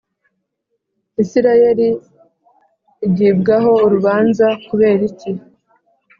Isirayeli igibwaho urubanza kuberiki